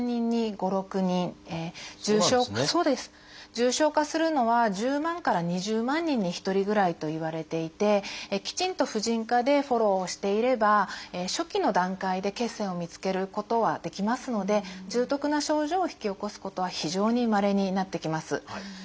重症化するのは１０万から２０万人に１人ぐらいといわれていてきちんと婦人科でフォローをしていれば初期の段階で血栓を見つけることはできますので重篤な症状を引き起こすことは非常にまれになってきます。